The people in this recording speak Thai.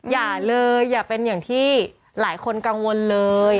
อย่าเลยอย่าเป็นอย่างที่หลายคนกังวลเลย